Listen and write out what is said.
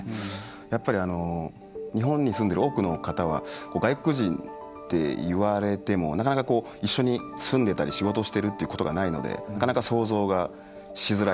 やっぱり、日本で住んでいる多くの方は外国人っていわれてもなかなか一緒に住んでいたり仕事をしていることがないのでなかなか、想像がしづらい。